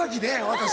私。